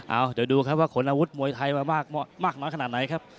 เอาเดี๋ยวดูครับว่าขนอาวุธมวยไทยมามากน้อยขนาดไหนครับ